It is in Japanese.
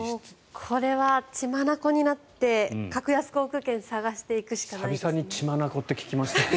これは血眼になって格安航空券を探していくしかないですね。